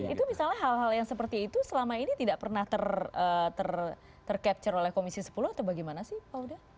itu misalnya hal hal yang seperti itu selama ini tidak pernah tercapture oleh komisi sepuluh atau bagaimana sih pak huda